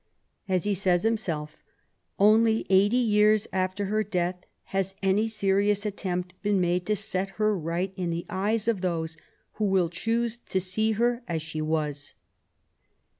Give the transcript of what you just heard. As he says himself, " Only eighty years after her death has any serious attempt been made to set her right in the eyes of those who will choose to see her as she was."